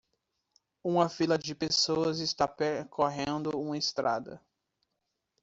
Uma fila de pessoas está percorrendo uma estrada.